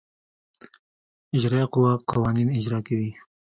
اجرائیه قوه قوانین اجرا کوي.